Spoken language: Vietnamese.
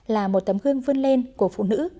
là một tấm gương vươn lên của phụ nữ